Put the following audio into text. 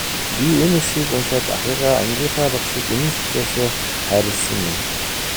Би энэ хэсгийг уншаад ахыгаа, ангийнхаа багшийг үнэн сэтгэлээсээ хайрласан юм.